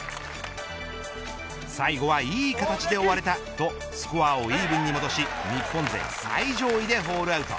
最後はいい形で終われたとスコアをイーブンに戻し日本勢最上位でホールアウト。